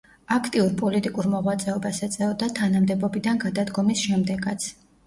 აქტიურ პოლიტიკურ მოღვაწეობას ეწეოდა თანამდებობიდან გადადგომის შემდეგაც.